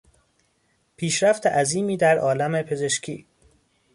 پیشرفت عظیمی در عالم پزشکی